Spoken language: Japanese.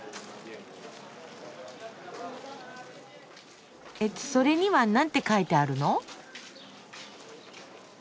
えっそれには何て書いてあるの？